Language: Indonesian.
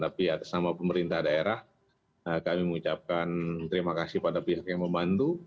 tapi atas nama pemerintah daerah kami mengucapkan terima kasih pada pihak yang membantu